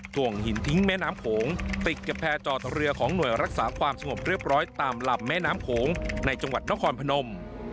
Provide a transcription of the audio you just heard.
ถ่วงหินทิ้งแม่น้ำโขงติดกับแพร่จอดเรือของหน่วยรักษาความสงบเรียบร้อยตามลำแม่น้ำโขงในจังหวัดนครพนม